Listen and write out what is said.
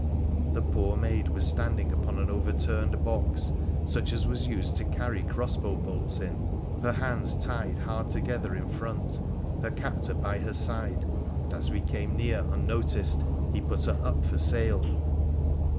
The poor maid was standing upon an over turned box such as was used to carry cross bow bolts in, her hands tied hard together in front, her captor by her side, and as we came near unnoticed he put her up for sale.